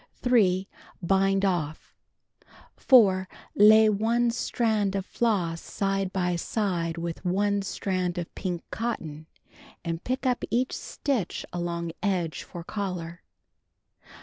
3. Bind off. 4. La}^ 1 strand of floss side by side with 1 strand of pink cotton, and pick up each stitch along edge for collar.